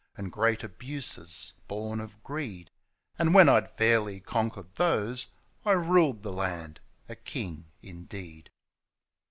And great abuses bom of greed ; And when I'd fairly conquered those, I ruled the land a king indeed.